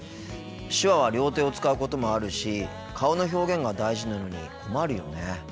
手話は両手を使うこともあるし顔の表現が大事なのに困るよね。